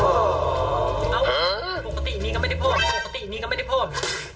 ๊อวภูมิตอกตินี้ก็ไม่ได้พ่น